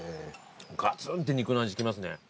がつんって肉の味きますね。